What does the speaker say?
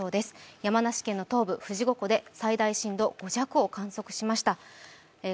山梨県東部の富士五湖で最大震度５弱を観測しました。